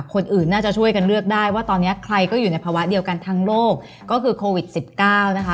คนอื่นน่าจะช่วยกันเลือกได้ว่าตอนนี้ใครก็อยู่ในภาวะเดียวกันทั้งโลกก็คือโควิด๑๙นะคะ